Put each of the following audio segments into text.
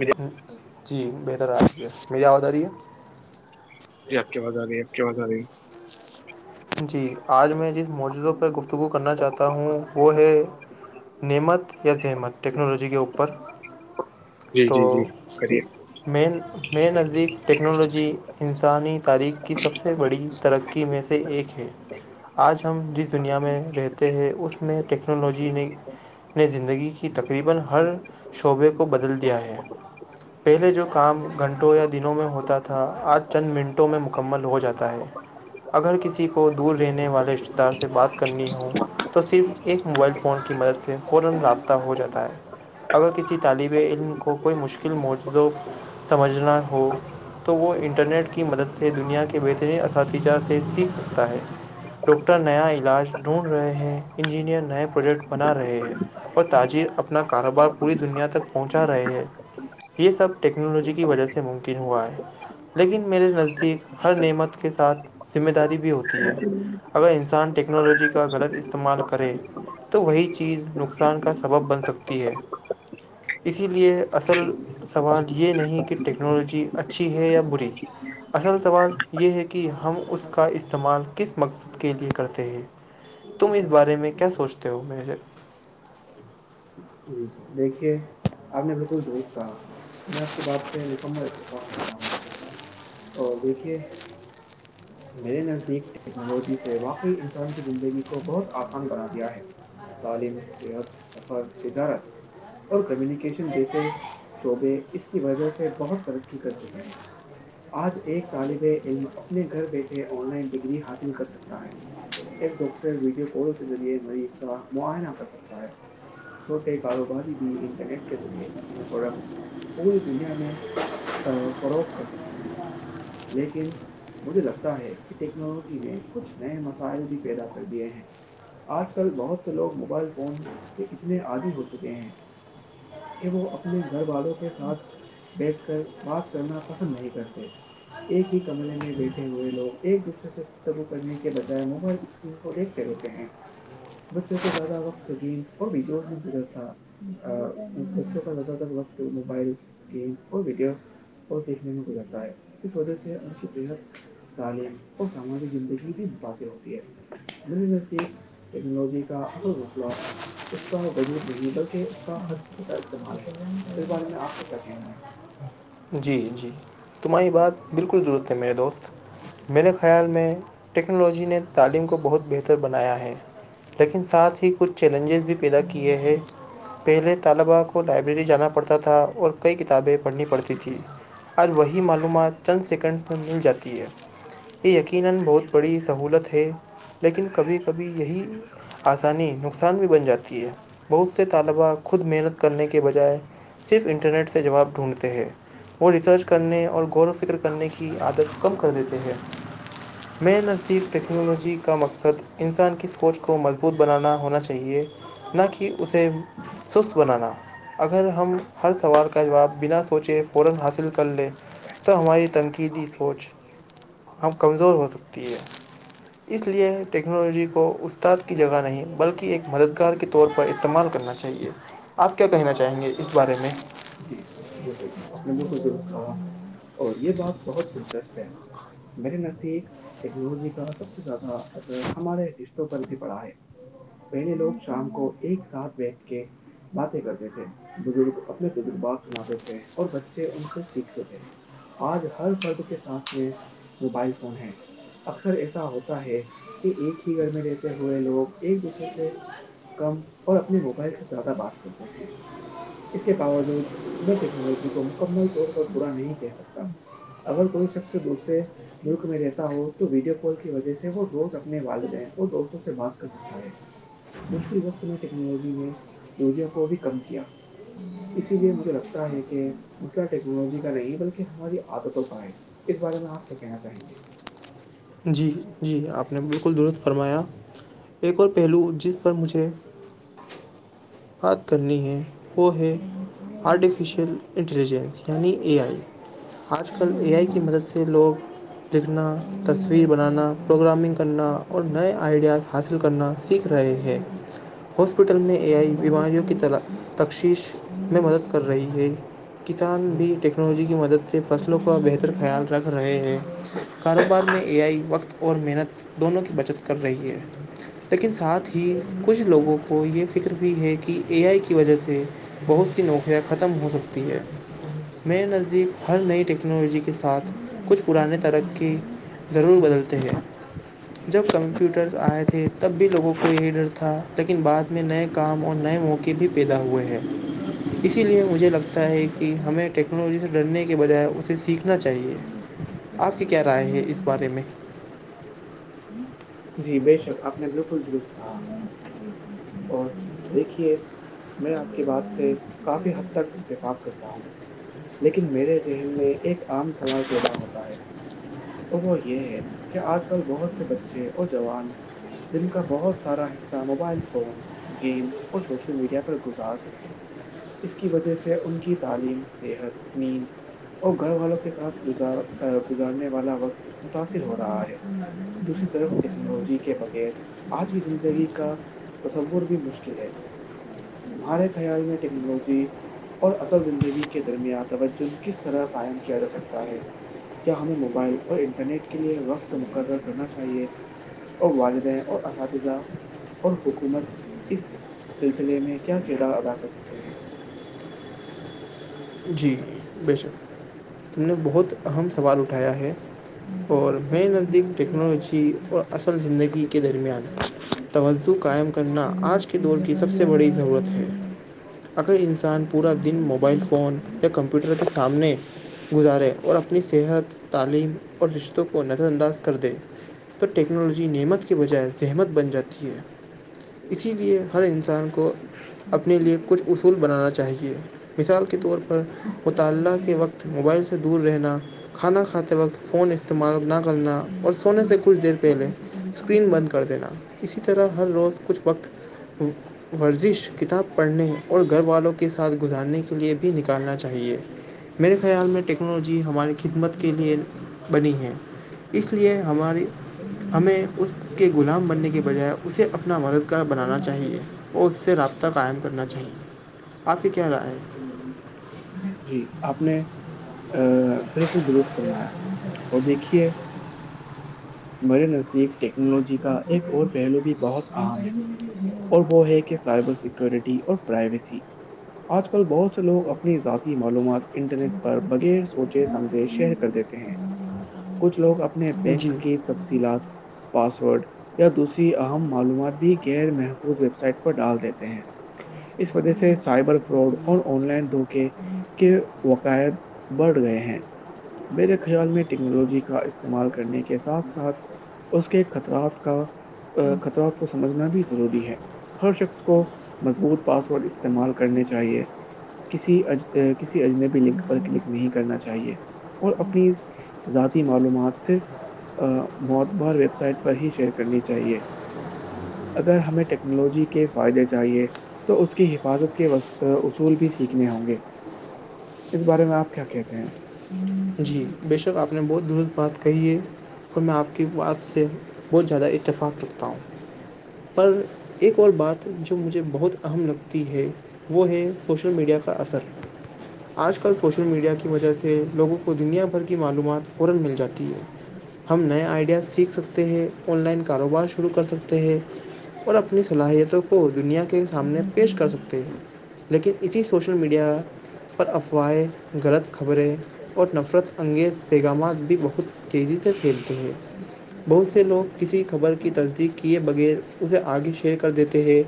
مجھے جی بہتر ہے آپ میری آواز آ رہی ہے جی آپ کی باز آ رہی ہے آپ کی باز آ رہی ہے [unintelligible] جی آج میں جس موجودوں پہ گفت کو کرنا چاہتا ہوں وہ ہے نعمت زحمت ٹیکنالوجی کے اوپر جی جی جی کریے مین مے نزدیک ٹیکنالوجی انسانی تاریخ کی سب سے بڑی ترقی میں سے ایک ہے آج ہم جس دنیا میں رہتے ہیں اس میں ٹیکنالوجی نے نے زندگی کی تقریبا ہر شعبے کو بدل دیا ہے پہلے جو کام گھنٹوں یا دنوں میں ہوتا تھا آج چند منٹوں میں مکمل ہو جاتا ہے اگر کسی کو دور رہنے والے رشتتے دار سے بات کرنی ہو تو صرف ایک موبائل فون کی مدد سے فورا رابطہ ہو جاتا ہے اگر کسی طالب علم کو کوئی مشکل موجوع سمجھنا ہو تو وہ انٹرنیٹ کی مدد سے دنیا کے بہترین اساتذہ سے سیکھ سکتا ہے ڈاکٹر نیا علاج ڈھونڈ رہے ہیں انجینئر نئے پروجیکٹ بنا رہے ہیں اور تاجر اپنا کاروبار پوری دنیا تک پہنچا رہے ہیں یہ سب ٹیکنالوجی کی وجہ سے ممکن ہوا ہے لیکن میرے نزدیک ہر نعمت کے ساتھ ذمہ داری بھی ہوتی ہے اگر انسان ٹیکنالوجی کا غلط استعمال کرے تو وہی چیز نقصان کا سبب بن سکتی ہے اسی لیے اصل سوال یہ نہیں کہ ٹیکنالوجی اچھی ہے یا بری اصل سوال یہ ہے کہ ہم اس کا استعمال کس مقصد کے لیے کرتے ہیں تم اس بارے میں کیا سوچتے ہو میرے [unintelligible] جی دیکھیے آپ نے بالکل درست کہا میں آپ کی بات سے مکمل اتفاق رکھتا ہوں اور دیکھیے [unintelligible] میرے نزدیک ٹیکنالوجی سے واقعی انسان کی زندگی کو بہت آسان بنا دیا ہے تعلیم صحت سفر تجارت اور کمیونیکیشن جیسے شعبے اس کی وجہ سے بہت ترقی کر چکے ہیں آج ایک طالب علم اپنے گھر بیٹھے آن لائن ڈگری حاصل کر سکتا ہے ایک ڈاکٹر ویڈیو کال کے ذریعے مریض کا معائنہ کر سکتا ہے چھوٹے کاروباری بھی انٹرنیٹ کے ذریعے اپنے پروڈکٹس پوری دنیا میں فروغ کر سکتے ہیں لیکن مجھے لگتا ہے کہ ٹیکنالوجی نے کچھ نئے مسائل بھی پیدا کر دیے ہیں آج کل بہت سے لوگ موبائل فون کے اتنے عادی ہو چکے ہیں کہ وہ اپنے گھر والوں کے ساتھ بیٹھ کر بات کرنا پسند نہیں کرتے ایک ہی کمرے میں بیٹھے ہوئے لوگ ایک دوسرے سے ترو کرنے کے بجائے موب کو دیکھتے رہتے ہیں بچوں کو زیادہ وقت گی اور بھی جوش میں گزر تھا اچ کا زات تر وگت موبائل گم اور وڈیو اور دیکھنے میں گزرتا ہے اس وجہ سے ان کی صحت تعلیم اور سماجی زندگی بھی متاثر ہوتی ہے م ٹیکنالوجی کا اصل مسئلہ اس کا وجود نہیں بلکہ کہ اس کا ح سے کیا استعمال ہے مے بارے میں آپ کو کیا کہنا ہے جی جی تمہاری بات بالکل درست ہے میرے دوست میرے خیال میں ٹیکنالوجی نے تعلیم کو بہت بہتر بنایا ہے لیکن ساتھ ہی کچھ چیلنجز بھی پیدا کیے ہیں پہلے طلبہء کو لائبریری جانا پڑتا تھا اور کئی کتابیں پڑھنی پڑتی تھیں آج وہی معلومات چند سیکنڈس میں مل جاتی ہے یقینا بہت بڑی سہولت ہے لیکن کبھی کبھی یہی آسانی نقصان بھی بن جاتی ہے بہت سے تم خود ہے محنت کرنے کے بجائے جی صرف انٹرنیٹ سے جواب ڈھونڈتے بالکل ہیں وہ ریسرچ کرنے اور غور و فکر کرنے کی عادت کم کر دیتے ہیں م نزب ٹیکنالوجی کا مقصد انسان کی سوچ کو مضبوط بنانا ہونا چاہیے نہ کہ اسے سست بنانا اگر ہم ہر سوال کا جواب بنا سوچے فورا حاصل کر لے تو ہماری تنقیدی سوچ ہم کمزور ہو سکتی ہے اس لیے ٹیکنالوجی کو استاد کی جگہ نہیں بلکہ ایک مددگار کے طور پر استعمال کرنا چاہی چاہیے آپ کیا کہنا چاہیں گے اس بارے میں جی بالکل آپ نے بالکل درست کہا اور یہ بات بہت دلچسپ ہے مجیرے نزدیک ٹیکنالوجی کا سب سے زیادہ اثر ہمارے رشتوں پر بھی پڑا ہے پہلے لوگ شام کو ایک ساتھ بیٹھ کے باتیں کرتے تھے بزرگ اپنے تجربات سناتے تھے اور بچے ان سے سیکھتے تھے آج ہر پرد کے ساتھ میں موبائل فون ہے اکثر ایسا ہوتا ہے کہ ایک ہی گھر میں رہتے ہوئے لوگ ایک دوسرے سے کم اور اپنے موبائل سے زیادہ بات کرتے ہیں اس کے باوجود میں ٹیکنالوجی کو مکمل طور پر بورا نہیں کہہ سکتا ہ اگر کوئی شخص دوسرے ملک میں رہتا ہو تو ویڈیو کال کی وجہ سے وہ روز اپنے والد گئے اور دوستوں سے بات کر مشل وقت میں ٹیکنالوجی نے دوروں کو بھی کم کیا اسی لیے مجھے لگتا ہے کہ مسئلہ ٹیکنالوجی کا نہیں بلکہ ہماری عادتوں کا ہے اس بارے میں آپ کیا کہنا چاہیں گے جی جی آپ نے بالکل درست فرمایا ایک اور پہلو جس پر مجھے بات کرنی ہے وہ ہے آرٹیفیشیل انٹیلیجنس یعنی اے آئی آج کل اے آئی کی مدد سے لوگ لکھنا تصویر بنانا پروگرامنگ کرنا اور نئے آئیڈیاز حاصل کرنا سیکھ رہے ہیں ہاسپٹل میں اے آئی بیماریوں کی طرح تششیش میں مدد کر رہی ہے کسان بھی ٹیکنالوجی کی مدد سے فصلوں کا بہتر خیال رکھ رہے ہیں اخبار میں اے آئی وقت اور محنت دونوں کی بچت کر رہی ہے لیکن ساتھ ہی کچھ لوگوں کو یہ فکر بھی ہے کہ اے آئی کی وجہ سے بہت سی نوکریاں ختم ہو سکتی ہے میرے نزدیک ہر نئی ٹیکنالوجی کے ساتھ کچھ پرانے ترقی ضرور بدلتے ہیں جب کمپیوٹرز آئے تھے تب بھی لوگوں کو یہی ڈر تھا لیکن بعد میں نئے کام اور نئے موقعے بھی پیدا ہوئے ہیں اسی لیے مجھے لگتا ہے کہ ہمیں ٹیکنالوجی سے ڈرنے کے بجائے اسے سیکھنا نا چاہے آپ کی کیا رائے ہے اس بارے میں جی بے شک آپ نے بالکل درست کہا اور دیکھیے میں آپ کی بات سے کافی حد تک اتفاق کرتا ہوں لیکن میرے ذہن میں ایک عام سمج پسا ہوتا ہے اور وہ یہ ہے کہ آج کل بہت سے بچے اور جوان جن کا بہت سارا حصہ ہے موبائل فونس گیم اور سوشل میڈیا پر گزارتے ہیں اس کی وجہ سے ان کی تعلیم صحت نیند اور گھر والوں کے ساتھ گزار گزارنے والا وقت متاثر ہو رہا ہے دوسری طرف ٹیکنالوجی کے بغیر آج کی زندگی کا تصور بھی مشکل ہے تمہارے خیال میں ٹیکنالوجی اور اصل زندگی کے درمیان توجہ کس طرح کاائم کیا جا سکتا ہے کیا ہمیں موبائل اور انٹرنیٹ کے لیے وقت مقرر کرنا چاہیے اور والد ہیں اور اساتذہ اور حکومت اس سلسلے میں کیا کردار ادا کر سکتے ہیں جی بے شک تم نے بہت اہم سوال اٹھایا ہے اور میں نزدیک ٹیکنالوجی اور اصل زندگی کے درمیان توجہ قائم کرنا آج کے دور کی سب سے بڑی ضرورت ہے اگر انسان پورا دن موبائل فون یا کمپیوٹر کے سامنے گزاریں اور اپنی صحت تعلیم اور رشتوں کو نظر انداز کر دے تو ٹیکنالوجی نعمت کے بجائے زحمت بن جاتی ہے اسی لیے ہر انسان کو اپنے لیے کچھ اصول بنانا چاہیے مثال کے طور پر مطالعہ کے وقت موبائل سے دور رہنا کھانا کھاتے وقت فون استعمال نہ کرنا اور سونے سے کچھ دیر پہلے اسکرین بند کر دینا اسی طرح ہر روز کچھ وقت ورزش کتاب پڑھنے اور گھر والوں کے ساتھ گزارنے کے لئے بھی نکل کرنا چاہیے میرے خیال میں ٹیکنالوجی ہماری خدمت کے لیے بنی ہے اس لیے ہماری ہمیں اس کے غلام بننے کے بجائے اسے اپنا مددگار بنانا چاہیے اور اس سے رابطہ قائم کرنا چاہیے آپ کی کیا رائے ہے جی آپ نے ا بالکل درست فرمایا اور دیکھیے [unintelligible] میرے نزدیک ٹیکنالوجی کا ایک اور پہلو بھی بہت عام ہے اور وہ ہے کہ سائبر سکورٹی اور پرائیویسی آج کل بہت سے لوگ اپنی ذاتی معلومات انٹرنیٹ پر بغیر سوچے سمجھے شیئر کر دیتے ہیں کچھ لوگ اپ اپنے ہے بینک جی کے تفصیلات پاسورڈ یا دوسری اہم معلومات بھی غیر محفوظ ویب سائٹ پر ڈال دیتے ہیں اس وجہ سے سائبر فراڈ اور آن لائن دھوکے کے وقائد بڑھ گئے ہیں میرے خیال میں ٹیکنالوجی کا استعمال کرنے کے ساتھ ساتھ اس کے خطرات کا خطرات کو سمجھنا بھی ضروری ہے ہر شخص کو مضبوط پاسورڈ استعمال کرنے چاہیے کسی اجنبی لنک پر کلک نہیں کرنا چاہیے اور اپنی ذاتی معلومات صرف موتبار ویب سائٹ پر ہی شیئر کرنی چاہیے اگر ہمیں ٹیکنالوجی کے فائدے چاہیے تو اس کی حفاظت کے اصول بھی سیکھنے ہوں گے اس بارے میں آپ کیا کہتے ہیں جی بے شک آپ نے بہت درست بات کہی ہے اور میں آپ کی بات سے بہت زیادہ اتفاق رکھتا ہوں پر ایک اور بات جو مجھے بہت اہم لگتی ہے وہ ہے سوشل میڈیا کا اثر آج کل سوشل میڈیا کی وجہ سے لوگوں دنیا بھر کی معلومات فورا مل جاتی ہے ہم نئے آئیڈیاز سیکھ سکتے ہیں آن لائن کاروبار شروع کر سکتے ہیں اور اپنی صلاحیتوں کو دنیا کے سامنے پیش کر سکتے ہیں لیکن اسی سوشل میڈیا پر افواہیں غلط خبریں اور نفرت انگیز پیغامات بھی بہت تیزی سے پھیلتے ہیں بہت سے لوگ کسی خبر کی تصدیق کیے بغیر اسے آگے شیئر کر دیتے ہیں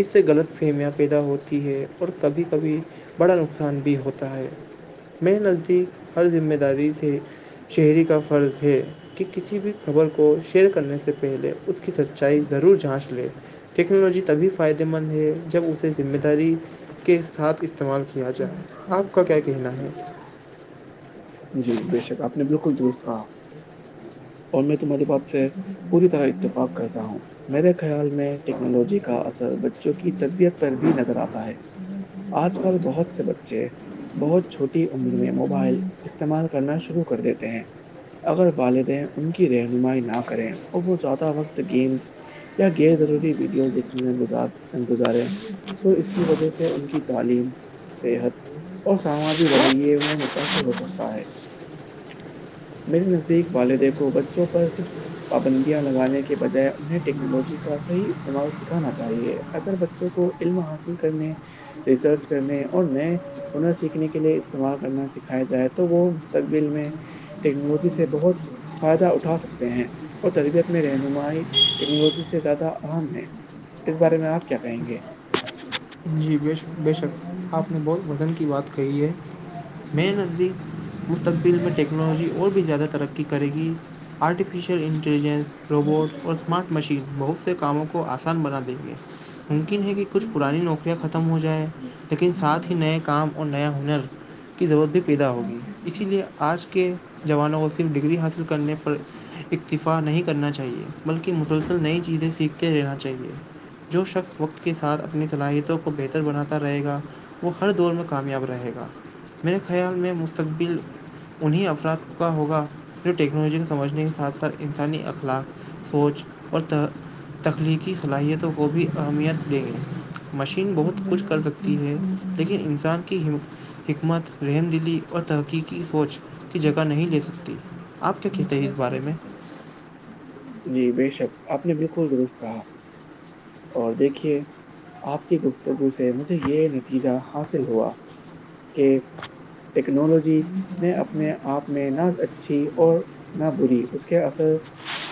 اس سے غلط فہمیاں پیدا ہوتی ہے اور کبھی کبھی بڑا نقصان بھی ہوتا ہے میں نزدیک ہر ذمہ داری سے شہری کا فرض ہے کہ کسی بھی خبر کو شیئر کرنے سے پہلے اس کی سچائی ضرور جھانچ لے ٹیکنالوجی تبھی فائدہ مند ہے جب اسے ذمہ داری کے ساتھ استعمال کیا جائے آپ کا کیا کہنا ہے جی بے شک آپ نے بالکل درست کہا اور میں تمہاری بات سے پوری طرح اتفاق کرتا ہوں میرے خیال میں ٹیکنالوجی کا اثر بچوں کی تربیت پر بھی نظر آتا ہے آج کل بہت بچے بہت چھوٹی عمر میں موبائل استعمال کرنا شروع کر دیتے ہیں اگر والدین ان کی رہنمائی نہ کریں اور وہ زیادہ وقت گیمس یا غیر ضروری ویڈیو دیکھنے میںز گزارے تو اس کی وجہ سے ان کی تعلیم صحت اور ساماجک رویے میں متاثر ہو سکتا ہے میرے نزدیک والے دیکھو بچوں پر صرف پابندیاں لگانے کے بجائے انہیں ٹیکنالوجی کا صحیح استعمال سکھانا چاہیے اگر ب بوں کو علم حاصل کرنے ریسرچ کرنے اور نئے ہنر سیکھنے کے لیے استعمال کرنا سکھایا جائے تو وہ مستقبل میں ٹیکنالوجی سے بہت فائدہ اٹھا سکتے ہیں اور تربیت میں رہنمائی ٹیکنالوجی سے زیادہ اہم ہے اس بارے میں آپ کیا کہیں گے جی بے شک بے شک آپ نے بہت وزن کی بات کہی ہے میرے نزدیک مستقبل میں ٹیکنالوجی اور بھی زیادہ ترقی کرے گی آرٹیفیشیل انٹیلیجنس روبوٹس اور اسمارٹ مشین بہت سے کاموں کو آسان بنا دیں گے ممکن ہے کہ کچھ پرانی نوکریاں ختم ہو جائیں لیکن ساتھ ہی نئے کام اور نیا ہنر کی ضرورت بھی پیدا ہوگی اسی لیے آج کے جوانوں کو صرف ڈگری حاصل کرنے پر اکتفاق نہیں کرنا چاہیے بلکہ مسلسل نئی چیزیں سیکھتے رہنا چاہیے جو شخص وقت کے ساتھ اپنی صلاحیتوں کو بہتر بناتا رہے گا وہ ہر دور میں کامیاب رہے گا میرے خیال میں مستقبل انہیں افراد کا ہوگا جو ٹیکنالوجی کو سمجھنے کے ساتھ ساتھ انسانی اخلاق سوچ اور ت تخلیقی صلاحیتوں کو بھی اہمیت دیں گے نگ بہت کچھ کر سکتی ہے لیکن انسان کی ہمت حکمت رحم دلی اور تحقیقی سوچ کی جگہ نہیں لے سکتی آپ کیا کہتے ہیں اس بارے میں جی بے شک آپ نے بالکل درست کہا اور دیکھیے آپ کی گفتگو سحمت سے یہ نتیجہ حاصل ہوا کہ ٹیکنالوجی نے اپنے آپ میں نہ اچھی اور نہ بری اس کے اثل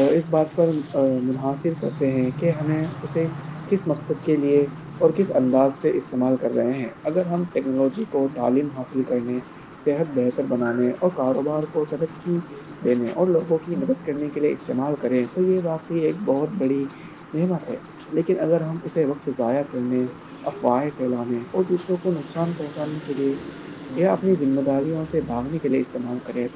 اس بات پر منحصر کرتے ہیں کہ ہمیں اسے کس مقصد کے لیے اور کس انداز سے استعمال کر رہے ہیں اگر ہم ٹیکنالوجی کو تعلیم حاصل کرنے صحت بہتر بنانے اور کاروبار کو ترقی دنے اور لوگوں کی مدد کرنے کے لیے استعمال کریں تو یہ واقعی ایک بہت بڑی نعمت ہے لیکن اگر ہم اسے وقت ضائع کرنے افواہیں پھیلانے اور دوسروں کو نقصان پہنچانے کے لیے یہ اپنی ذمہ داریوں سے بھگنے کے لیے استعمال کرے